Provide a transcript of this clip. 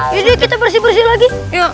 jadi kita bersih bersih lagi